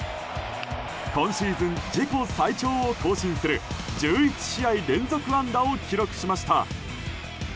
今シーズン自己最長を更新する１１試合連続安打を記録しました。